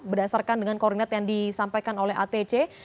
berdasarkan dengan koordinat yang disampaikan oleh atc